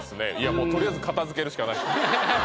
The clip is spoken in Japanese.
もうとりあえず片づけるしかないフフフ